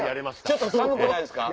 ちょっと寒くないですか？